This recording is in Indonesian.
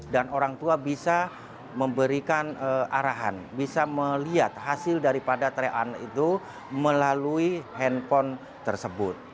dan orang tua bisa memberikan arahan bisa melihat hasil daripada tryout itu melalui handphone tersebut